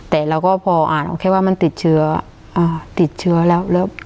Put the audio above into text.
แต่เราก็พออ่านเอาแค่ว่ามันติดเชื้ออ่าติดเชื้อติดเชื้อแล้วแล้ว